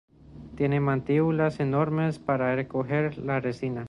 Tiene mandíbulas enormes para recoger la resina.